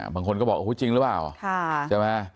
บางคนก็บอกโอ้โหจริงหรือเปล่า